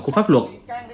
của pháp luật